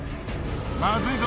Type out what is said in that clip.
まずいぞ！